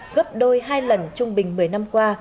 gấp đôi hai lần trung bình một mươi năm